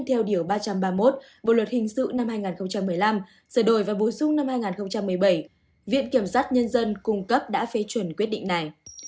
theo điều ba trăm ba mươi một bộ luật hình sự năm hai nghìn một mươi năm sửa đổi và bổ sung năm hai nghìn một mươi bảy viện kiểm sát nhân dân cung cấp đã phê chuẩn quyết định này